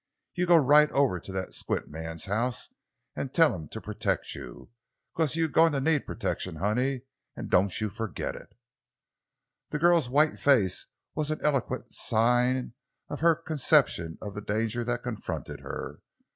You go right over to that Squint man's house an' tell him to protect you. 'Cause you's goin' to need protection, honey—an' don't you forgit it!" The girl's white face was an eloquent sign of her conception of the danger that confronted her.